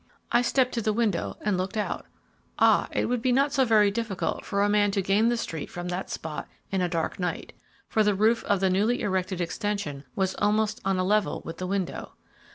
I stepped to the window and looked out. Ah, it would not be so very difficult for a man to gain the street from that spot in a dark night, for the roof of the newly erected extension was almost on a level with the window.